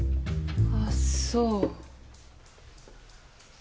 あっそう。